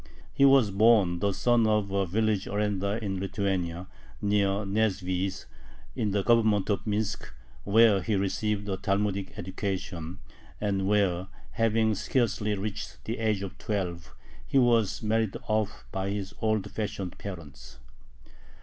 He was born the son of a village arendar in Lithuania, near Nesvizh, in the Government of Minsk, where he received a Talmudic education, and where, having scarcely reached the age of twelve, he was married off by his old fashioned parents.